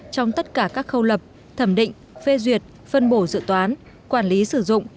trong tất cả các khâu lập thẩm định phê duyệt phân bổ dự toán quản lý sử dụng